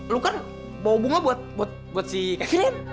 lo kan bawa bunga buat buat buat si kevin kan